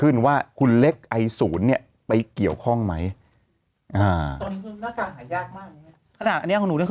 ขนาดอันนี้ของหนูใช้มาหลายอันละครั้งแล้วนะ